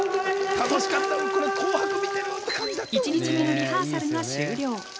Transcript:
１日目のリハーサルが終了。